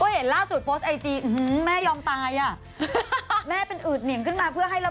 เห็นล่าสุดโพสต์ไอจีอืมม่ายอมตายอ่ะ